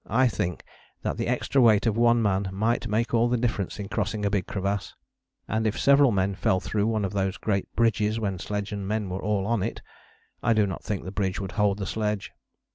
I think that the extra weight of one man might make all the difference in crossing a big crevasse: and if several men fell through one of those great bridges when sledge and men were all on it, I do not think the bridge would hold the sledge."